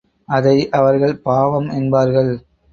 அதை அவர்கள் பாவம் என்பார்கள்.